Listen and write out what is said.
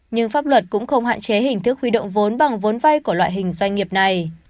nhưng pháp luật cũng không hạn chế hình thức huy động vốn bằng vốn vay của loại hình doanh nghiệp này